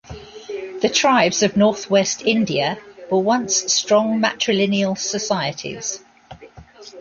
The tribes of north-west India were once strong matrillineal societies.